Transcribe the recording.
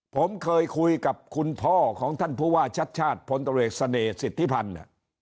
ผมเคยคุยกับคุณพ่อของท่านผู้ว่าชัดชาติพลตรวจเสน่หสิทธิพันธ์